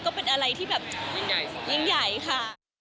ก็เป็นอะไรที่แบบยิ่งใหญ่ค่ะ